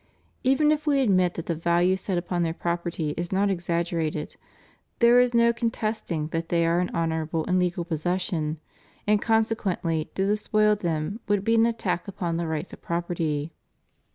Even if we admit that the value set upon their property is not exaggerated there is no con testing that they are in honorable and legal possession, and consequentl}'^ to despoil them would be an attack upon the rights of property.